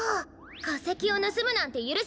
かせきをぬすむなんてゆるせない！